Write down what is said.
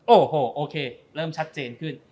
โอ้โหโอเคเริ่มชัดเจนขึ้น